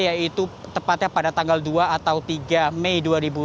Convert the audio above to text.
yaitu tepatnya pada tanggal dua atau tiga mei dua ribu dua puluh